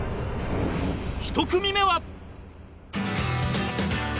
１組目は